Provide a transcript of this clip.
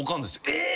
「えっ！？」